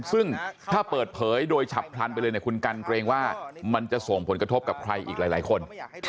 ซึ่งถ้าเปิดเผยโดยฉับพลันไปเลยคุณกันเกรงว่ามันจะส่งผลกระทบกับใครอีกหลายคน